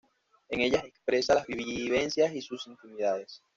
En ellas expresa las vivencias y sus intimidades.